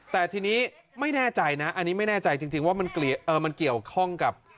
แต่ทีนี้ไม่แน่ใจนะอันนี้ไม่แน่ใจจริงว่ามันเกี่ยวข้องกับ